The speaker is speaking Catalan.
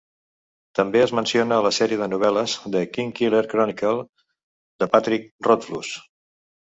També es menciona a la sèrie de novel·les "The Kingkiller Chronicle" de Patrick Rothfuss.